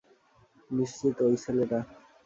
নিশ্চিত ঔই ছেলেটা।